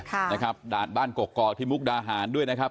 ค่ะนะครับด่านบ้านกกอกที่มุกดาหารด้วยนะครับ